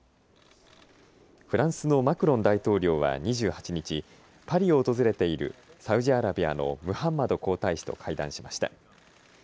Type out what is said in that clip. フランスのマクロン大統領は２８日、パリを訪れているサウジアラビアのムハンマド皇太子と会談しました。